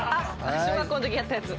小学校のときやったやつ。